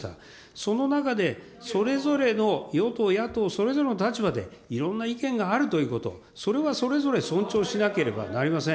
その中で、それぞれの与党、野党それぞれの立場で、いろんな意見があるということ、それはそれぞれ尊重しなければなりません。